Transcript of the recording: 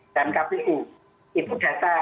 dan kpu itu data